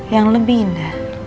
yang lebih indah